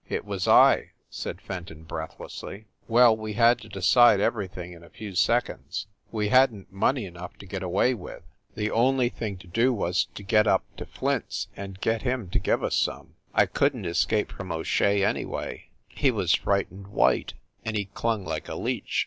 "It was I," said Fenton breathlessly. "Well, we had to decide everything in a few sec onds. We hadn t money enough to get away with ; 272 FIND THE WOMAN the only thing to do was to get up to Flint s and get him to give us some. I couldn t escape from O Shea, anyway. He was frightened white, and he clung like a leech.